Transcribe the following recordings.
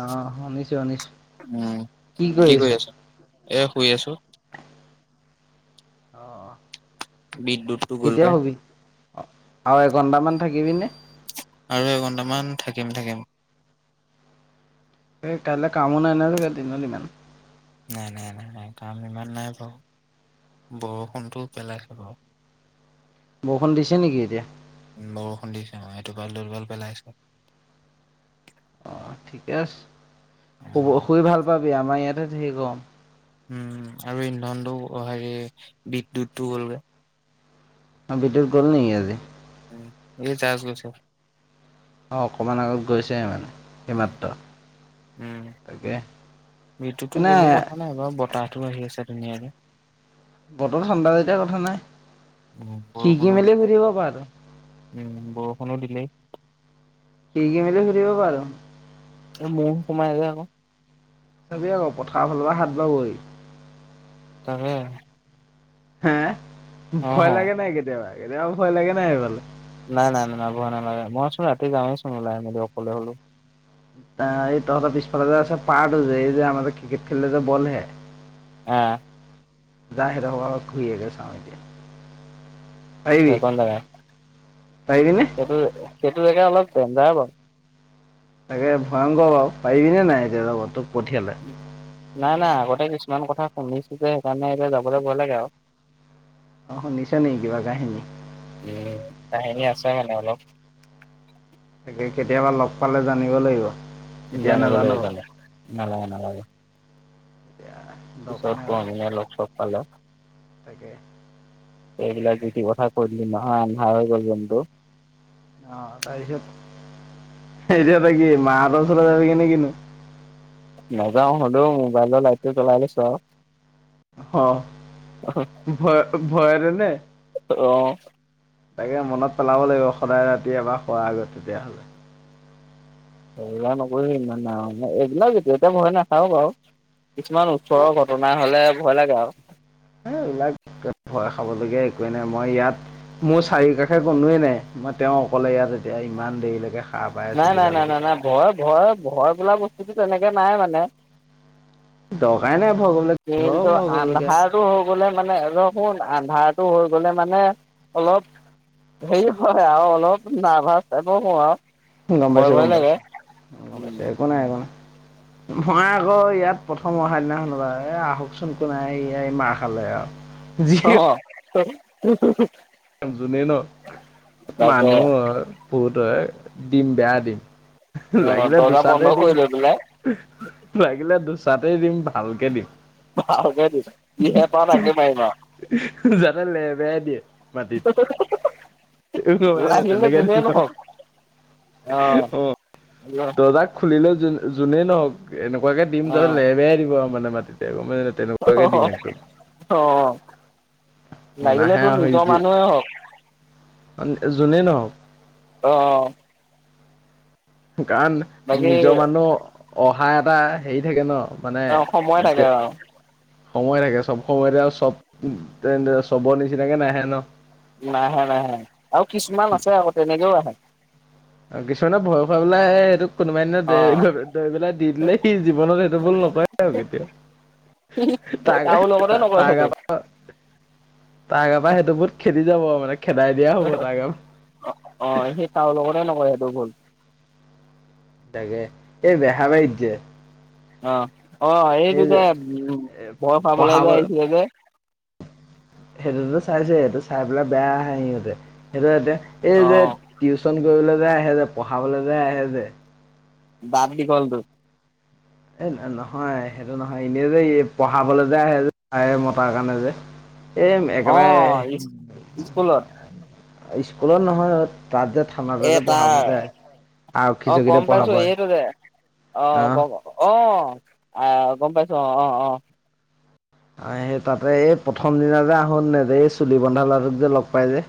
অ', শুনিছো শুনিছো, উম কি কৰি আছ? এ শুই আছো অ বিদ্যুতটো কেতিয়া গ'লগে হুবি অ আৰু এঘন্টামান থাকিবিনে আৰু এঘন্টামান থাকিম থাকিম এই কাইলৈ কামো নাই নেই দিনত ইমান নাই নাই নাই নাই কাম ইমান নাই প বৰষুণটোও পেলাই খাব বৰষুণ দিছে নেকি এতিয়া উম, বৰষুণ দিছে অ এইটো ভাল দুৰ্বল পেলাইছ অ ঠিকে আছে শুব উম, শুই ভাল পাবি আমাৰ ইয়াতে সে কম উম আৰু ইন্ধনটো হেৰি বিদ্য়ুতটো গ'লগৈ অ বিদয়ুত গ'ল নেক আজি উ এই যছ গছ অঁ অকণমান আগত গৈছে মানে এই উম, মাত্ৰ তাকে বিতুতো মানে গ'লো কথা নাই বাৰু বতাহো আহি আছে ধুনীয়াকে বতৰ থান্দা যেতিয়া কথা নাই উ খিৰিকি বৰষুণো মেলি শুই দিলে থাকিব পাৰ তই, উম বৰষুণো দিলেই কি কি মিলি ফুৰিব পাৰ ম সমাই যাব চাবেই আকৌ পথাৰ ফালৰ পৰা হাত বাবৈ তাৰে হা ভয় লাগে নাই কেতিয়াবা কেতিয়াবা ভয় লাগে নাই এইফালে নাই নাই নাই ন বুৱা নালাগে মইচোন ৰাতি যাৱেই চোন ওলাই ম অকলে হলো অহ এই তহঁতৰ পিছফালে যে আছে পাৰ্ট যে এই যে আম ক্ৰিকেট খেললে যে বলহে আহ [unintelligible] ত কোন জাগা পাৰিবিনে সেইটো সেইটো জেগা অলপ যায় বাৰু তাকে ভয়ংকৰ বাৰু পাৰিবিনেে নাই এতিয়া লগত তোক পঠিয়ালে নাই নাই আগতে কিছুমান কথা শুনিছো যে সেইকাৰণে এইবয়া যাবলৈ ভয় লাগে আৰু অহ সুনিচা নেকি বা কাহিনী উম কাহিনী আছে মানে অলপ তাকে কেতিয়াবা লগ পালে জানিব লাগিব এতিয়া জানেিব ল নাজানো বাৰু গে নালাগে নালাগে এতিয়া পিছত পমিয় লগ চ পালে তোকে এইবিলাক ৰীতি কথা কৈ দিলি নহান্হা হৈ গল জন্তু [unintelligible] এতিয়া ত কি মাহঁতৰ ওচৰ যাব কি নে কিনো নাযাও হলেও মোবাইলৰ লাইটটো জলাই লৈছো আৰু অ ভয় ভয়ৰে নে আৰু অ তাকে মনত পেলাব লাগিব সদায় ৰাতি এবাৰ খোৱাৰ আগত তেতিয়াহ'লে সয়া নকৰিহি ইমানা এইবিলাকও যেতিয়া এতিয়া ভয় নাখাও বাৰু কিছুমান ওচৰৰ ঘটনা হ'লে ভয় লাগে আৰু এইবিলাক ভয় খাবলগীয়া একোৱেই নাই মই ইয়াত মোৰ চাৰি কাষে কনোৱে নাই মই তেওঁ অকলে ইয়াত এতিয়া ইমান দেৰিলৈকে সাৰ পাই আছো নাই নাই কিবা নাই নাই কৰিছে নাই ভয় ভয় ভয় বোলা বস্তুতটো তেনেকে নাই মানে দকাই নাই ভয় কৰিবলৈ কিহৰ কিন্তু ভয় কৰিবলগীয়া আন্ধাৰো হৈ গলে মানে ৰখুোন আন্ধাৰটো হৈ গলে মানে অলপ হেৰি হয় আৰু অলপ নাৰ্ভাছ টাইপৰ হওঁ আৰু। গম ভয় পাইছো ভয় গম লাগে পাইছো গম উম পাইছো একো নাই একো নাই। [inaudible] মই আকৌ ইয়াত প্ৰথম অহা দিনাখনৰ পা এ আহকচোন কোনোই মাৰ খালে আৰু। যি অ। যোনে ন তাকে মানুহ হয় ভূত হয়। দিম বেয়া দিম। অ লাগিলে দৰ্জা বন্ধ দুচাতে দিম কৰি লৈ পেলাই লাগিলে দুচাতেই দিম। ভালকে দিম। ভালকে দিম যিহে পাওঁ তাকে মাৰিম যাতে লেবেয়াই দিয়ে। টিত আৰু লাগিলে তেনেকে যোনেই থাকিব। নহওক অ। দজাক খুলিলেও যোনে নহওক এনেকুৱাকে দিম অ যাতে লেবেৰাই দিব আৰু মানে মাটিতে। মই তেনেকুৱাকে দিম একদম। অ লাগিলে নাহে তোৰ হৈ নিজৰ য মানুহে হওক যোনে নহওক। অ। কাৰণ বাকী নিজৰ মানুহ অহা এটা হেৰি থাকে ন। মানে অ সময় থাকে আৰু সময় থাকে চব সময়তে আৰু চব তে চবৰ নিচিনাকে নাহে ন। নাহে নাহে আৰু কিছুমান আছে আকৌ তেনেকেও আহে। কিছুমানে ভয় খুৱাবলে আহে সেইটো কোনোবাই এনা অ দৰিবেলাই দি দিলে সি জীৱনত সেইটো ভুল নকৰে আৰু কেতিয়াও। তাক কাৰো লগতে নকৰে সেইটো তাকাপ তাকাপ সেইটো ভূত খে- দি যাব মানে। খেদাই দিয়া হ'ব তাৰ গাৰ অ অ সেই তাৰ লগতে নকৰে সেইটো ভুল। তাকে এই বেহা বাৰিত যে অ অ এইটো যে উম এ বৰ খাবলৈই পঢ়াব যে আহিছিলে যে। সেইটোতো চাইছে সেইটো চাই পেলাই বেয়া আহে সিহঁতে সেইটো এতিয়া এই অ যে টিউচন কৰিবলৈ যাই আহে যে পঢ়াবলৈ যে আহে যে। দাত দীঘল টো। এ নহয় সেইটো নহয় এনেই যে পঢ়াবলৈ যে আহে যে মতাৰ কাৰণে যে। এ অ একেবাৰে স্কুলত স্কুলত নহয়ত তাত যে থানতে এ যে পঢ়াব তাৰ যে আহি যায়। আৰক্ষী অ চকীতে গম পাইছো পঢ়াব এইটো যে অ আহ গম প অ। আহ গম পাইছোঁ অঁ অঁ। আহ সেই তাতে এই প্ৰথম দিনা যে আহোোন ন এই চুলি বন্ধ লাটোক যে লগ পাই যে।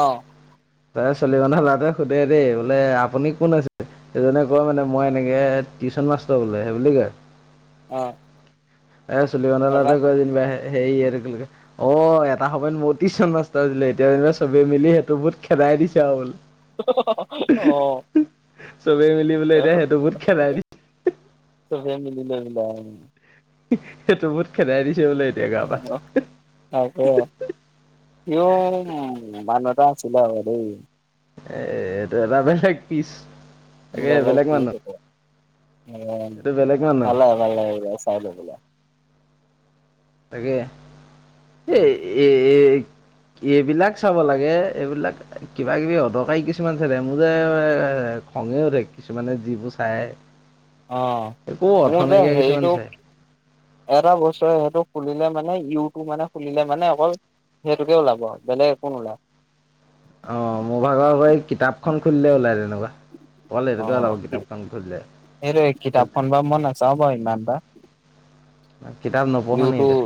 অহ। ত চলি মহা লৰাটে সোধে দেই বোলে আপুনি কোন আছে এজনে কয় মানে মই এনেকে টিউশন মাষ্টৰ হে বুলি কয়। আহ। এ চুলি বন্ধা লৰাটোৱে কৈ যেনিবা হেৰিয় অ এটা সময় মোৰ টিউশন মাষ্টাৰ আছিলে এতিয়া যেনিবা চবে মিলি সেইটো বহুত খেদাই দিছে আও অ বোলে। চবেই মিলি বোলে এতিয়া সেইটো ভূত খেদাই দিছ চবে মিলিলৈ পেলায় ওম। সেই টো বহুত খেদাই দি তাকে ইউম বানত। চিলাব দেই। এটোাবা লাগ পিছ [unintelligible] নিল [unintelligible] উম এইটো বেলেগ মানুহ নাল নাল চাইলিল [unintelligible] তাকে এই এ এইবিলাক চাব লাগে এইবিলাক কিবা কিবি অদকাৰী কিছুমান চে মোৰ যে [unintelligible] খঙে উঠে কিছুমানে যিবোৰ চায় অ মোৰ যে চাই হেৰিটোক এটা বস্তুৰে সেইটো খুলিলে মানে ইউটোব মানে খুলিলে মানে অকল সেইটোকে ওলাব বেলেগ একো নো ওলায় অ মোৰ ভাগৰ পৰা এই কিতাপখন খুলিলে ওলাই তেনেকুৱা অকল অ সেইটোকে ওলাব কিতাপখন খুলিলে এইটো কিতাপখন বা মই নাচাও বা ইমান তা [unintelligible] [inaudible] কিতাপ নপঢ়ো নি ইউটউ তই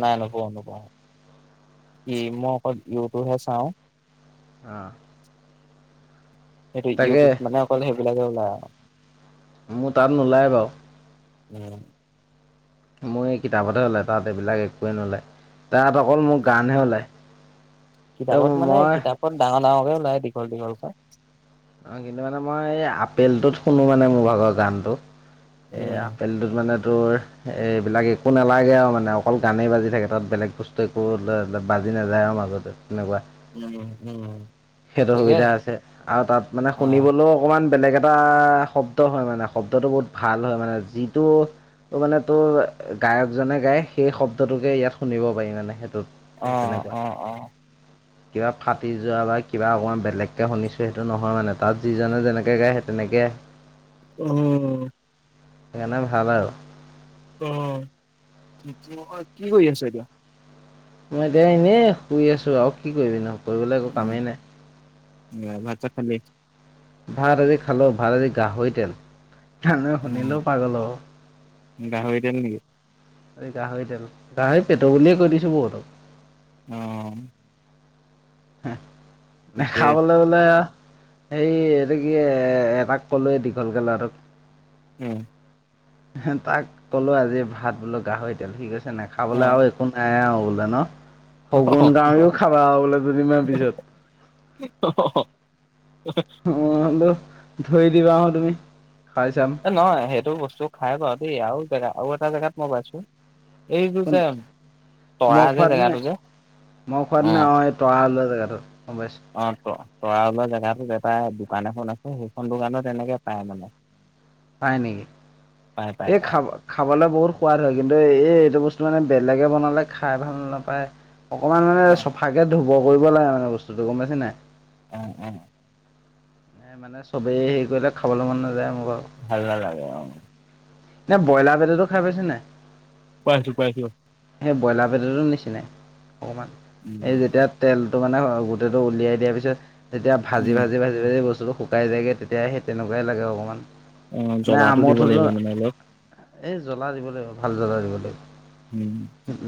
নাইএনেকুৱা নুকুৱা ই মই অকল ইউটোপহে চাওঁ আহ সেইটো ইউটিউব মানে অকল সেইবিলাকে ওলায় মোৰ তাত নোলায় বাৰু উম মোৰ এই কিতাপতহে ওলাই তাত এইবিলাক একোৱে নোলায় তাত অকল মোৰ গানহে ওলায় ত কিতাপত মানে মই কিতাপত ডাঙৰ ডাঙৰকে ওলাই দীঘল দীঘল কে অ কিন্তু মানে মই এই আপেলটোত শুনো মানে মোৰ ভাগৰ গানটো এ উম। আপেল তোত মানে তো এইবিলাক একো নালাগে আৰু মানে অকল গানেই বাজি থাকে তাত বেলেগ বস্তু একো বাজ আজি নাযায় আৰু মাজতে তেনেকুৱা উম উম সেইটো সুবিধা আছে আৰু তাত মানে অ' শুনিবলৈও অকণমান ইমান বেলেগ এটা শব্দ হয় মানে শব্দটো বহুত ভাল হয় মানে যিটো তো মানে তোৰ গায়কজনে গাই সেই শব্দটোকে ইয়াত শুনিব পাৰি মানে সেইটোত অ সেই তেনেকুৱা অ অ কিবা ফাটি যোৱা বা কিবা অকণমান বেলেগকে শুনিছো সেইটো নহয় হয় মানে তাত যিজনে যেনেকে গায় সেই তেনেকে আহে উম [unintelligible] সেইকাৰণে ভাল আৰু অ নহয় কি কৰি আছা এতিয়া মই এতিয়া এনেই শুই আছো আৰু কি কৰিবি ন কৰিবলৈ একো উম, কামেই নাই [unintelligible] ভাত চাত খালি ভাত আজি খালো ভাত আজি গাহৰি তেল [unintelligible] অ', শুনিলেও পাগল অ গাহৰি দিম নেকি এই গাহৰিতেল গাহৰি পেট বুলিয়ে কৈ দিছো বহুতক উম হে্ নে আছে খাবলৈ বোলে সেই এইটো কি এটাক কলোৱে দীঘলকৈ লৰা উম হ তাক ক'লো আজি ভাত বোলো গাহৰি তেল সিকৈছে না খাবলৈ অ', আৰু একো নাই আৰু বোলে ন শগুন কিও খাবা বোলে যদিমই পিছত অ হ্লো ধৰি দিবা আহ তুমি। খাই চাম এ নহয় সেইটো বস্তু খাই বাৰু দেই আৰু জেগা আৰু এটা জেগাত মই পাইছো এইটোচ অ', [unintelligible] অ ত তৰা ওলোৱা জেগাতো এটা দোকান এখন আছে সেইখন দোকানত তেনেকে পায় মানে। পাই নেকি? পায় পায় এই পায় খাব খাবলৈ বহুত সোৱাদ হয় কিন্তু এই এইটো বস্তু মানে বেলেগে বনালে খাই ভাল নাপায় অকমান মানে অ', চফাকে ধু ব কৰিব লাগে বস্তুতটো গম পাইছা নে নাই? উম, উম। এ মানে চবেই হেয়ি কৰিলে খাবলৈ মন নাযায় মোৰ ভাল‌ নালাগে অ'। ন ব্ৰইলাৰ পেটতো খাই পাইছে নাই? পাইছো, পাইছো। সেই ব্ৰইলাৰ পেতিৰ নিচিনাই অকণমান, সেই উম, যেতিয়া তেল টো মানে গোটেইটো উলিয়াই দিয়া পিছত যেতিয়া ভাজি, উম, ভাজি, ভাজি, ভাজি বস্তু টো শুকাই যায়গৈ তেতিয়া সেই তেনেকুৱাই লাগে অকণমান। অ', জলাটো দিব লাগিব মানে অলপ এ, জ্বলা দিব লাগিব ভাল জ্বলা দিব লাগিব উম,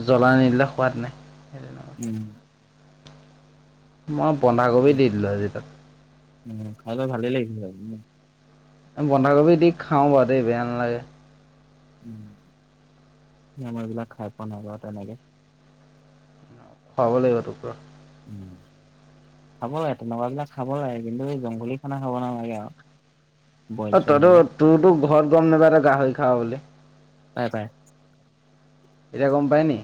জ্বলা নিদিলে সোৱাদ নাই সেই উম। মই বন্ধাকবি উম, দি দিলো আজি তাত উম, খাই ভালেই লাগিছিল [unintelligible] বন্ধাকবি দি খাওঁ বাৰু দেই বেয়া নেলাগে। মই এইবিলাক খাই পোৱা নাই বাৰু তেনেকে। খুৱাব লাগিব তোক ৰ। উম। খাব লাগে, তেনেকুৱাবিলাক খাব আৰু কিন্তু এই জংঘলী খানা খাব নালাগে আৰু। বইল চইল তইতো বিলাক। তোৰতো ঘৰত গম নাপাই তই গাহৰি খাৱ বুলি? পায়, পায়। এতিয়া গম পায়নি?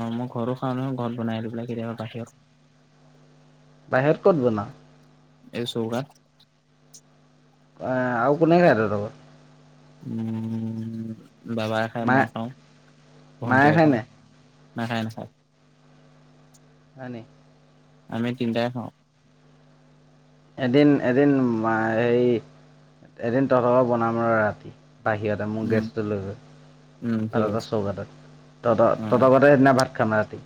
অ', মই ঘৰটো খাওঁ নহয়, ঘৰত বনাই লৈ পেলাই কেতিয়াবা বাহিৰত। বাহিৰত ক'ত বনাও? এই চৌ়কাত। আ, আও কোনে খায় তঁহতৰ ঘৰ উম, বাবাই খাই, মায়ে মই খাওঁ, মায়ে ভণ্টিয়ে খায়। নাই? নাখায়, নাখায়। হয় নি? আমি তিনিটাই খাওঁ। এদিন, এদিন মা হেয়ি এদিন তহঁতৰ বনাম ৰ ৰাতি। বাহিৰতে মোক উম, গেছটো লৈ গৈ উম, ঠিক [unintelligible] আছে চৌকাটোত তহঁতৰ অ', তহঁতৰ সেইদিনা ভাত খাম ৰাতি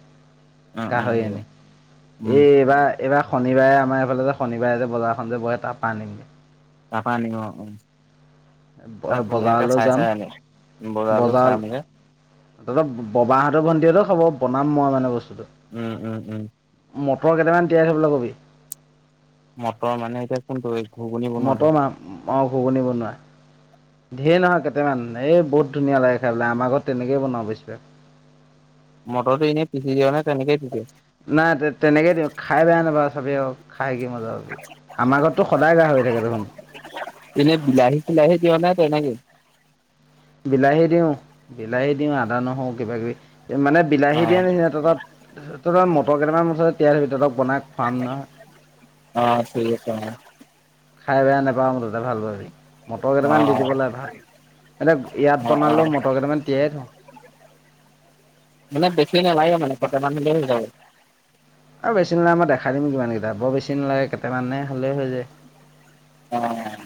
অ', অ', গাহৰি হ'ব আনি উম, এই এইবাৰ, এইবাৰ শনিবাৰে আমাৰ এইফালে শনিবাৰে যে, বজাৰখন যে, বহে তাৰ পা আনিম গে তাৰ পা আনিম অ', অ'। তাত ধুনীয়াকে বজাৰলৈ চাই যাম। চাই আনিম। বজাৰলৈ বজাৰ চাই মেলি তহঁতৰ ববাহঁতৰ ভণ্টিতক খাব বনাম মই মানে বস্তু উম, উম, উম। মটৰ কেইটামান তিয়াই থ'বলৈ কবি। মটৰ মানে এতিয়া কোনটো? ঘুগুনি বনোৱাটো? মটৰ মাহ অ', ঘুগনি বনোৱা ধেৰ নহয় কেইটা টামান এই বহুত ধুনীয়া লাগে খাই পেলাই আমাৰ ঘৰত তেনেকেইে বনাওঁ বেছিভাগ মটৰটো এনেই পিচি দিয় নে? তেনেকেই থাকে নাই তেনেকে দিওঁ খাই বেয়া নাই [unintelligible] মজ্জা পাবি, আমাৰ ঘৰততো সদায় গাহৰি থাকে দেখোন। এনে বিলাহী চিলাহী দিয় নে তেনেকেই বিলাহী দিওঁ, বিলাহী দিওঁ আদা, নহৰু কিবা কিবি মানে বিলাহী দিয়া অ', নিচিনা তঁহত [unintelligible] মটৰ কেইটামান মুঠতে তিয়াই থবি বনাই খোৱাম নহয়। অ', ঠিক আছে [unintelligible] খাই বেয়া নে পাৱ মতে ত ভাল পাবি মটৰ কেইটামান দি দিব অ', ল ভাল এানে ইয়াত অ', অ', বনালেও মটৰ কেইটামান তিয়াই থওঁ মানে বেছি নালাগে মানে বা কেইটামান হলে হৈ যায় আৰু বেছি নালাগে মই দেখাই দিম কিমানকেইটা বৰ বেছি নালাগে কেইটামানে হ'লেই হৈ যায় উম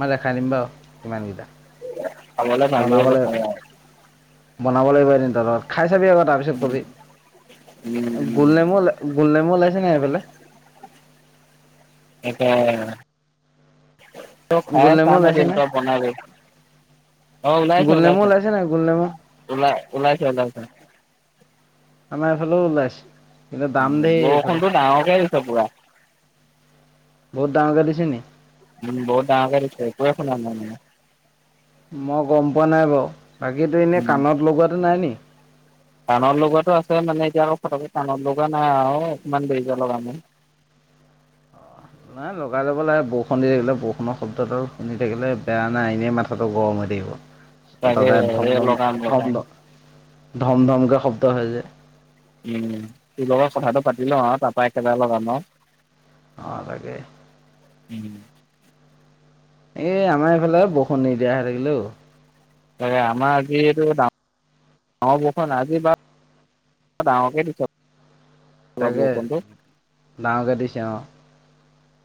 ম দেখাই দিম বাৰু কিমানকেইা আল নালব সময় বনাব লাগিব এদিন তত খাই চাবি আকৌ তাৰপিছত উম, কবি উম, গোলনেমু গলডমু ওলাইছে ন এইফালে এটোয়া ত খাই গোল নেমু চাম ম ওলাইছে ত নে বন অ ওলাইছে গোল নেমু ওলাইছ ওলাইছে নাই গোল নেমু উল উলাইাসৱলছ আমাৰফালেও ও্লাইছে বৰষুণতো ডাঙৰকে হৈছে পুৰা বহুত ডাঙৰ গ দিছে নি উম বহুত ডাঙ কৰিছে ক শ ন আ নে মই গম পোৱা নাই বাৰ বাকীতো এনে কাণত লগোৱাাতটো নাই নি ধটানৰ লগোৱাটো আছে মানে এতিয়া আকৌ ফট টানৰ লগোৱা নাই আৰু অকমান দেৰি আি [unintelligible] ন লগাই ল'ব লাগে বৰষুণ দি থাকিলে বৰষুণৰ শব্দটোাল শুনি থাকিলে বেয়া নাই এনেই মাথাটো গৰম হৈ থাকিব তাকে ততে ধম এই ধম লগাম ধম লগাম। ধম ধম ধমকে শব্দ হৈ যায় উম তোৰ লগত কথাটো পাতি ল আৰু তাৰ পৰাা একেবাৰে লগ ন লাগে উম এ আমাৰ এইফালে বৰসুণ নিদিয়া হৈে থাকিলেও ত আমাৰ যিহেতুা গাৰ বৰষ আজি বা পকেইছ তাকে দাঁওঁ গাড চ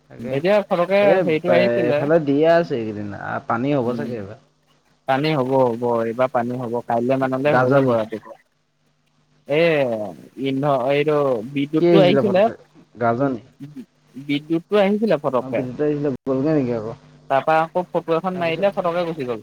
তাকে এতিয়া ফটকে এই হেৰিটো আহিছিলে এইফালে দিয়ে আছে এইকেইদিন পানী হ'ব উম চাগে এইবাৰ পানী হ'ব হ'ব এইবাৰ পানী হ'ব কাইলে মানলৈ হৈ যাব গাজনি ৰাতিপুৱা এ ইন এইটো কি বিদ্যুতটো আহিছিলে পতককে গাজনি বিদ্যুত টো আহিছিলে অ' ফটককে বিদ্যুৎ আহিছিলে গ'লগে নেকি আকৌ তাৰ পৰাা আকৌ ফটো এখন তাৰপিছত মাৰিলে ফটকে গুচি গ'ল